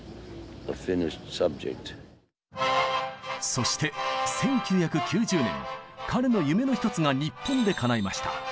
そして１９９０年彼の夢の一つが日本でかないました。